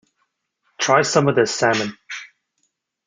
Try some of this salmon.